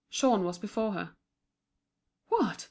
Jean was before her. "What!